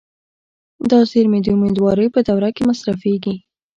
دا زیرمې د امیدوارۍ په دوره کې مصرفېږي.